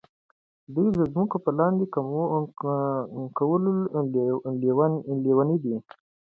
دوی د ځمکو په لاندې کولو لیوني دي.